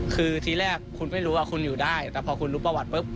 คือทีแรกคุณไม่รู้ว่าคุณอยู่ได้แต่พอคุณรู้ประวัติปุ๊บ